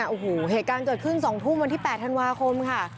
โอ้โหเหตุการณ์เกิดขึ้น๒ทุ่มวันที่๘ธันวาคมค่ะ